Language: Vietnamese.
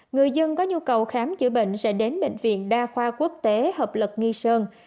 người dân có nhu cầu khám chữa bệnh sẽ đến bệnh viện đa khoa quốc tế hợp lực nghi sơn